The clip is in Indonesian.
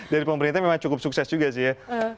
dari pemerintah memang cukup sukses juga sih ya